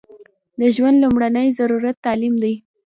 د ژوند لمړنۍ ضرورت تعلیم دی